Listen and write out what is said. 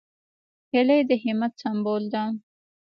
هیلۍ د همت سمبول ده